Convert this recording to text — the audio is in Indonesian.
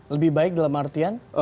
lebih baik dalam artian